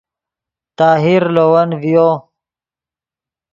طاہر لے ون ڤیو